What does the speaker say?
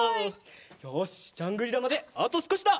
よしジャングリラまであとすこしだ！